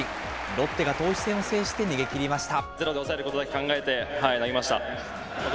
ロッテが投手戦を制して逃げきりました。